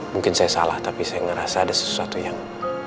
mungkin saya salah tapi saya ngerasa ada sesuatu yang